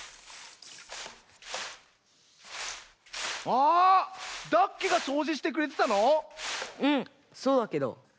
あダッケがそうじしてくれてたの⁉うんそうだけど。